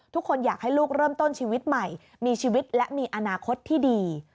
ทุกคนอยากให้ลูกเริ่มต้นชีวิตใหม่มีชีวิตและมีอนาคตที่ดี